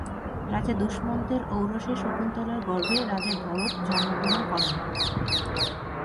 রাজা দুষ্মন্তের ঔরসে শকুন্তলার গর্ভে রাজা ভরত জন্মগ্রহণ করেন।